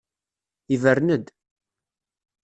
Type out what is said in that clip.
Yebren-d.